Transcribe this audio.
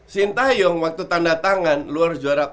sintayung waktu tanda tangan lu harus juara takut